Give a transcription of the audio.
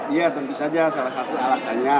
iya tentu saja salah satu alasannya